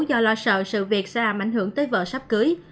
do lo sợ sự việc sẽ làm ảnh hưởng tới vợ sắp cưới